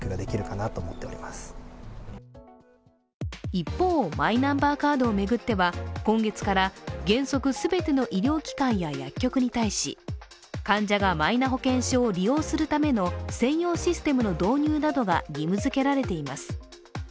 一方、マイナンバーカードを巡っては今月から原則全ての医療機関や薬局に対し患者がマイナ保険証を利用するための専用システムの導入などが義務づけられています。